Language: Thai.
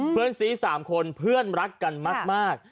เพื่อนซี๓คนเพื่อนรักกันมาก